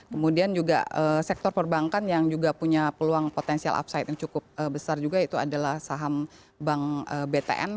kemudian juga sektor perbankan yang juga punya peluang potensial upside yang cukup besar juga itu adalah saham bank btn